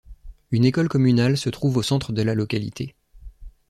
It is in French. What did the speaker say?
Une école communale se trouve au centre de la localité.